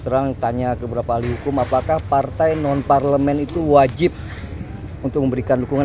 terang tanya keberapa ahli hukum apakah partai nonparlemen itu wajib untuk memberikan dukungan